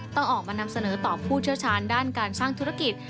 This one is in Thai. ต้องออกมานำเสนอต่อผู้เชี่ยวชาญด้านการสร้างธุรกิจ